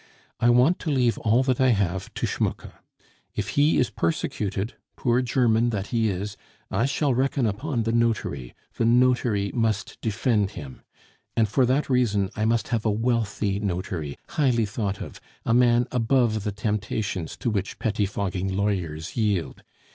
I want to leave all that I have to Schmucke. If he is persecuted, poor German that he is, I shall reckon upon the notary; the notary must defend him. And for that reason I must have a wealthy notary, highly thought of, a man above the temptations to which pettifogging lawyers yield.